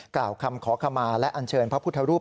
กล่าวคำขอขมาและอันเชิญพระพุทธรูป